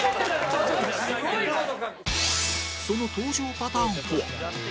その登場パターンとは？